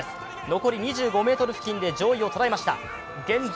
残り２５ｍ付近で上位を捉えました。